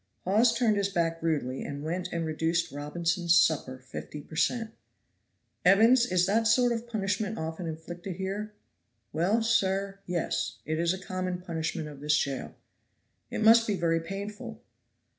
Hawes turned his back rudely and went and reduced Robinson's supper fifty per cent. "Evans, is that sort of punishment often inflicted here?" "Well, sir, yes. It is a common punishment of this jail." "It must be very painful."